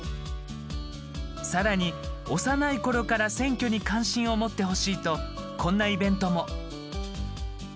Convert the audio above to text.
さらに、幼いころから選挙に関心を持ってほしいとこんなイベントも。